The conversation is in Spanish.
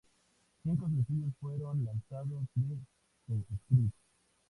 Cinco sencillos fueron lanzados de "The Script".